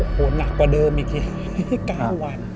โอ้โหหนักกว่าเดิมอีกที๙วัน